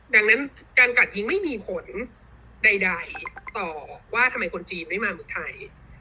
ดังนั้นการกัดยิงไม่มีผลใดต่อว่าทำไมคนจีนไม่มาเมืองไทย